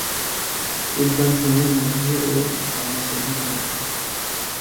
উদ্যানসমূহের মধ্যে ও ঝরনাসমূহের মধ্যে?